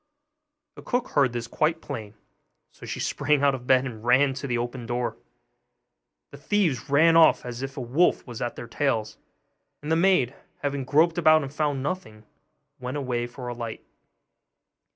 The cook heard this quite plain, so she sprang out of bed, and ran to open the door. The thieves ran off as if a wolf was at their tails: and the maid, having groped about and found nothing, went away for a light.